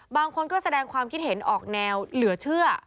บางคนก็แสดงความคิดเห็นออกแนวเหลือเชื่อ